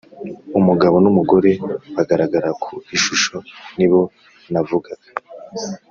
Umugabo n’umugore bagaragara ku ishusho nibo navugaga